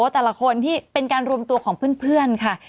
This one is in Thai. แต่ละคนที่เป็นการรวมตัวของเพื่อนค่ะ